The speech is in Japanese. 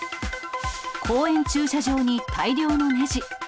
公園駐車場に大量のねじ。